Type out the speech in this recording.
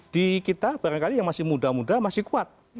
di kita barangkali yang masih muda muda masih kuat